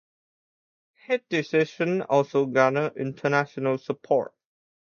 His decision also garnered international support.